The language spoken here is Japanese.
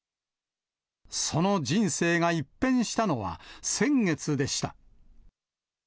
その人生が一変したのは、先月でした。